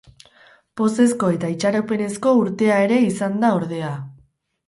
Pozezko eta itxaropenezko urtea ere izan da ordea.